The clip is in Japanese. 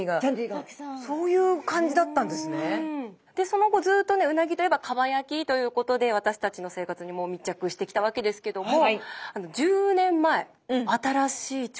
その後ずっとうなぎといえば蒲焼きということで私たちの生活に密着してきたわけですけども１０年前新しい調理法が。